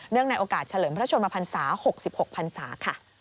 ในโอกาสเฉลิมพระชนมพันศา๖๖พันศาค่ะ